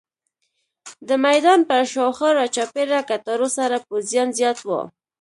د میدان پر شاوخوا راچاپېره کټارو سره پوځیان زیات وو.